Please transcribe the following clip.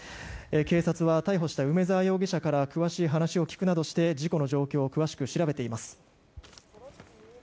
警察は逮捕したウメザワ容疑者から詳しい話を聞くなどして事故の状況を詳しく調べています。